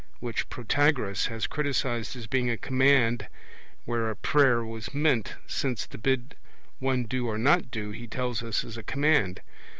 which Protagoras has criticized as being a command where a prayer was meant, since to bid one do or not do, he tells us, is a command.